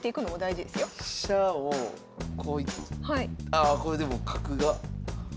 ああこれでも角が。